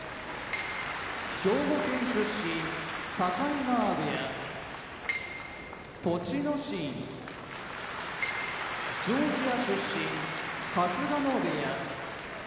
兵庫県出身境川部屋栃ノ心ジョージア出身春日野部屋